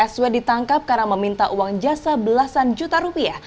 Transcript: sw ditangkap karena meminta uang jasa belasan juta rupiah